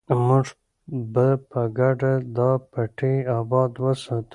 موږ به په ګډه دا پټی اباد وساتو.